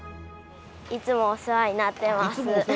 「いつもお世話になってるの？」